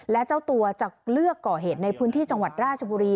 และเจ้าตัวจะเลือกก่อเหตุในพื้นที่จังหวัดราชบุรี